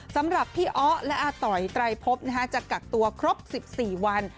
สำหรับพี่อ๊อและอาต๋อยไตรพบจะกักตัวครบ๑๔วัน